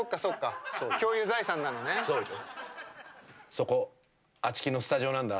そこあちきのスタジオなんだ。